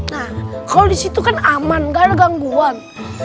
nah kalau di situ kan aman gak ada gangguan